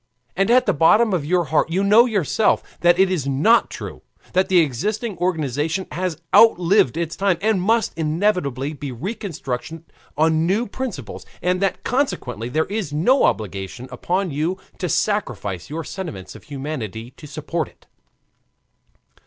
And at the bottom of your heart you know yourself that it is not true, that the existing organization has outlived its time, and must inevitably be reconstructed on new principles, and that consequently there is no obligation upon you to sacrifice your sentiments of humanity to support it.